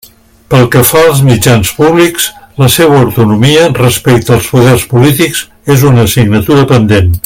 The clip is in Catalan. Pel que fa als mitjans públics, la seua autonomia respecte als poders polítics és una assignatura pendent.